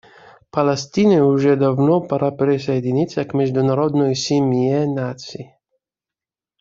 Палестине уже давно пора присоединиться к международной семье наций.